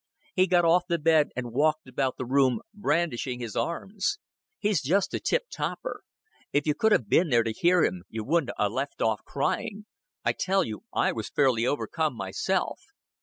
He got off the bed, and walked about the room, brandishing his arms. "He's just a tip topper. If you could have been there to hear him, you wouldn't 'a' left off crying yet. I tell you I was fairly overcome myself.